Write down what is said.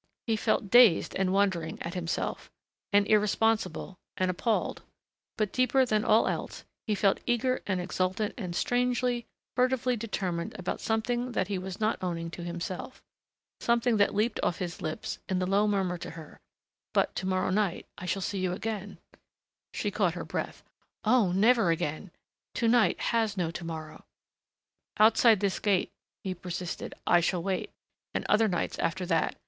He felt dazed and wondering at himself ... and irresponsible ... and appalled ... but deeper than all else, he felt eager and exultant and strangely, furtively determined about something that he was not owning to himself ... something that leaped off his lips in the low murmur to her, "But to morrow night I shall see you again " She caught her breath. "Oh, never again! To night has no to morrow " "Outside this gate," he persisted. "I shall wait and other nights after that.